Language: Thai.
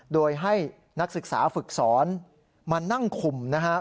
โดยให้นักศึกษาฝึกสอนมานั่งคุมนะครับ